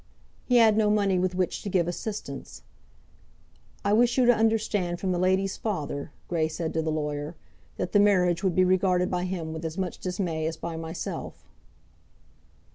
He had no money with which to give assistance. "I wish you to understand from the lady's father," Grey said to the lawyer, "that the marriage would be regarded by him with as much dismay as by myself."